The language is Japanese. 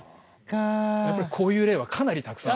やっぱりこういう例はかなりたくさん。